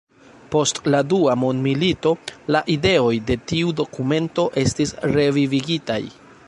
Post la dua mondmilito la ideoj de tiu dokumento estis revivigitaj.